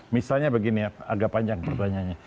misalnya begini agak panjang pertanyaannya